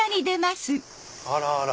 あらあら！